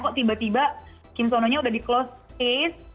kok tiba tiba kim seon ho nya udah di close case